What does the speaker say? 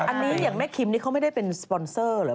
อันนี้อย่างแม่คิมนี่เขาไม่ได้เป็นสปอนเซอร์เหรอ